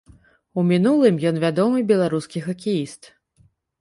У мінулым ён вядомы беларускі хакеіст.